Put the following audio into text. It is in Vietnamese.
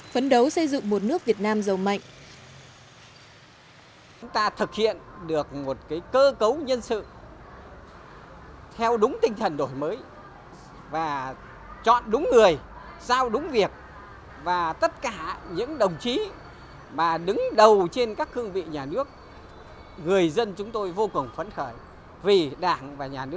phấn đấu xây dựng một nước việt nam giàu mạnh